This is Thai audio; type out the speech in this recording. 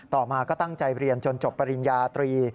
ต่อมาก็ตั้งใจเรียนจนจบปริญญาตรี